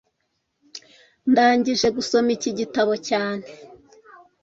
Ndangije gusoma iki gitabo cyane